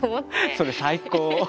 それ最高！